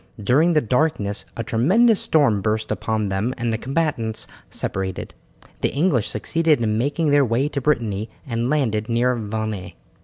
During the darkness a tremendous storm burst upon them and the combatants separated. The English succeeded in making their way to Brittany and landed near Vannes.